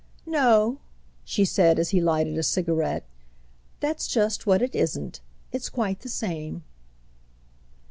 "No," she said as he lighted a cigarette, "that's just what it isn't. It's quite the same."